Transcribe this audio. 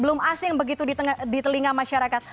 belum asing begitu di telinga masyarakat